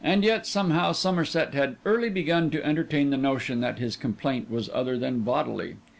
Yet somehow Somerset had early begun to entertain the notion that his complaint was other than bodily.